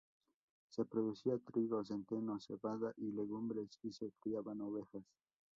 Se producía trigo, centeno, cebada y legumbres, y se criaban ovejas.